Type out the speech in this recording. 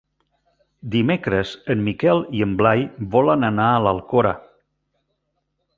Dimecres en Miquel i en Blai volen anar a l'Alcora.